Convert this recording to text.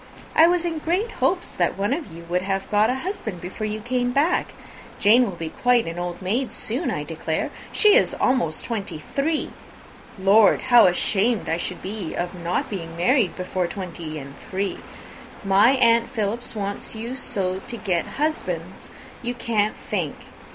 I was in great hopes that one of you would have got a husband before you came back. Jane will be quite an old maid soon, I declare. She is almost three and twenty! Lord! how ashamed I should be of not being married before three and twenty! My aunt Philips wants you so to get husbands you can't think.